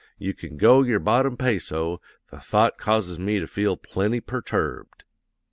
You can go your bottom peso, the thought causes me to feel plenty perturbed.